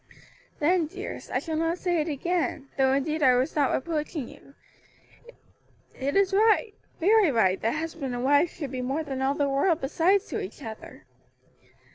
"Then, dearest, I shall not say it again, though indeed I was not reproaching you; it is right, very right, that husband and wife should be more than all the world beside to each other."